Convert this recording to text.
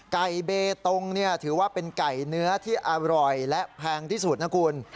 ไก่เบตงถือว่าเป็นไก่เนื้อที่อร่อยและแพงที่สุดนะคุณ